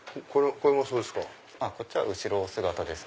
こっちは後ろ姿です。